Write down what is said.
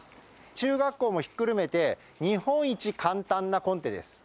中学校もひっくるめて、日本一簡単なコンテです。